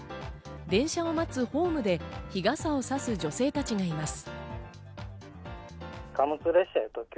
電車を待つホームで日傘をさす女性たちがいます。